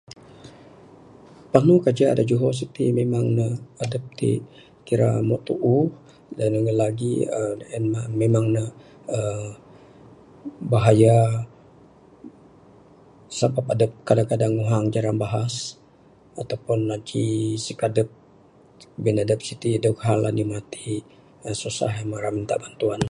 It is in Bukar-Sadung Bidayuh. Panu kajak da juho sitik memang ne adup tik kira moh tuuh, dengan lebih lebih lagik uhh en mah memang ne uhh bahaya sebab adup kadang kadang nguhang jaran bahas atau pun aji sikadup. Bin adup sitik dog hal anih matik. Rak susah muk rak mintak bantuan.